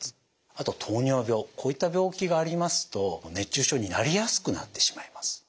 こういった病気がありますと熱中症になりやすくなってしまいます。